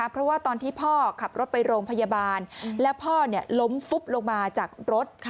เพราะว่าตอนที่พ่อขับรถไปโรงพยาบาลแล้วพ่อล้มฟุบลงมาจากรถ